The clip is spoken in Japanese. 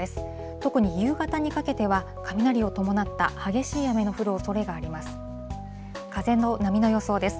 特に夕方にかけては、雷を伴った激しい雨の降るおそれがあります。